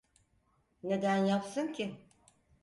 Neden yapsın ki?